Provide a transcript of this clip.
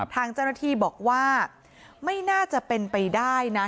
ทางเจ้าหน้าที่บอกว่าไม่น่าจะเป็นไปได้นะ